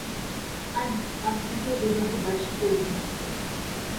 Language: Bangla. আন্টি, আপনাকেও বিবাহ বার্ষিকীর অভিনন্দন।